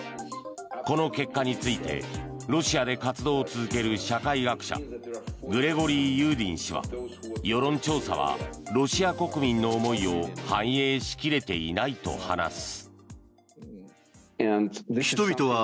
この結果についてロシアで活動を続ける社会学者グリゴリー・ユーディン氏は世論調査はロシア国民の思いを反映しきれていないと話す。